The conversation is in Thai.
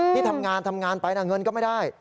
ที่ทำงานทำงานไปนะเงินก็ไม่ได้